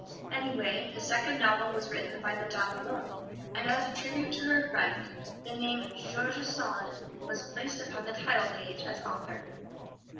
Anyway, the second novel was written by the Madame alone, and as a tribute to her friend the name "George Sand" was placed upon the title page as author.